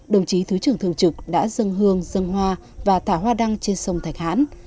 đồng chí thứ trưởng thường trực đã dân hương dân hoa và thả hoa đăng trên sông thạch hãn